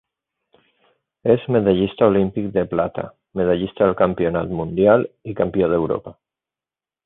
És medallista olímpic de plata, medallista del Campionat Mundial i campió d'Europa.